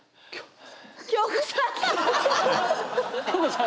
京子さん。